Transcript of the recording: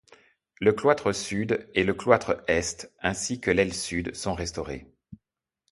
Le cloître sud et le cloître est, ainsi que l'aile sud sont restaurés.